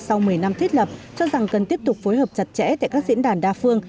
sau một mươi năm thiết lập cho rằng cần tiếp tục phối hợp chặt chẽ tại các diễn đàn đa phương